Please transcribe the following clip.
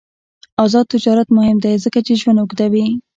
آزاد تجارت مهم دی ځکه چې ژوند اوږدوي.